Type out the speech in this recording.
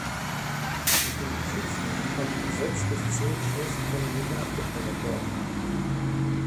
Mit den Geschützen konnten sechs bis zehn Schuss pro Minute abgefeuert werden.